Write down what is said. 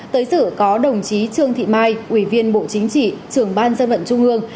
tới sự có đồng chí trương thị mai ủy viên bộ chính trị trưởng ban dân vận trung ương